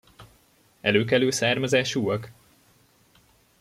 Előkelő származásúak?